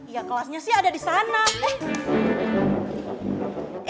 iya kelasnya sih ada disana eh